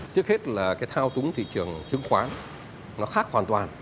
trước hết là cái thao túng thị trường chứng khoán nó khác hoàn toàn